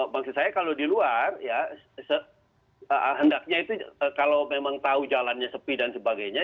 maksud saya kalau di luar ya hendaknya itu kalau memang tahu jalannya sepi dan sebagainya